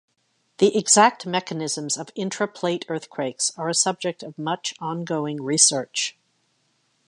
The exact mechanisms of intraplate earthquakes are a subject of much ongoing research.